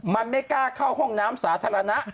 มันไม่กล้าเข้าห้องน้ำสาธารณะ